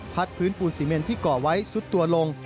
พื้นปูนซีเมนที่ก่อไว้ซุดตัวลง